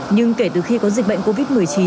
nhưng kể từ khi có dịch bệnh covid một mươi chín